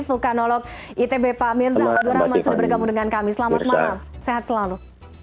vulkanolog itb pak mirza abdurrahman sudah bergabung dengan kami selamat malam sehat selalu